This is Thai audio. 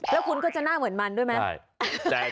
แล้วคุณก็จะหน้าเหมือนมันด้วยไหม